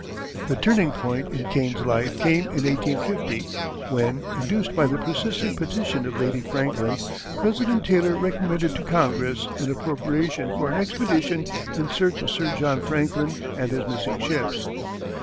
The turning point in Kane's life came in 1850, when, induced by the persistent petition of Lady Franklin, President Taylor recommended to Congress an appropriation for an expedition in search of Sir John Franklin and his missing ships.